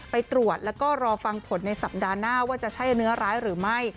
ไปตรวจแล้วก็รอฟังผลในสัปดาห์หน้าว่าจะใช่เนื้อร้ายหรือไม่